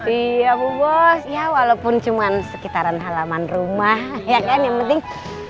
iya bu bos ya walaupun cuma sekitaran halaman rumah ya kan yang penting